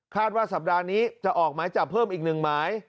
ว่าสัปดาห์นี้จะออกหมายจับเพิ่มอีก๑หมาย